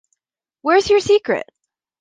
Where's your secret?